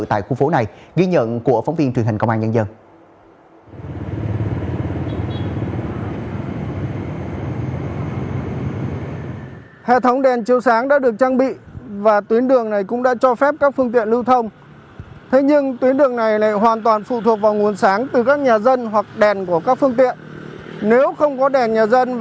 tại khu phố này ghi nhận của phóng viên truyền hình công an nhân dân